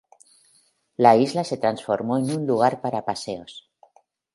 La isla se transformó en un lugar para paseos.